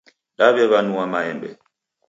Daw'ew'anua maembe.